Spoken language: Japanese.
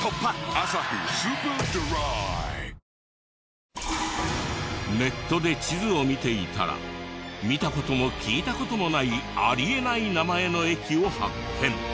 「アサヒスーパードライ」ネットで地図を見ていたら見た事も聞いた事もないあり得ない名前の駅を発見。